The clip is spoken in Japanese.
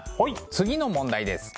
次の問題です。